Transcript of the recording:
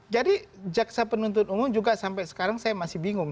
jadi jaksa penuntut umum juga sampai sekarang saya masih bingung